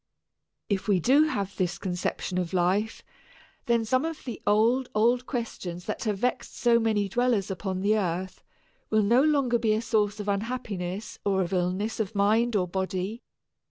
If we do have this conception of life, then some of the old, old questions that have vexed so many dwellers upon the earth will no longer be a source of unhappiness or of illness of mind or body.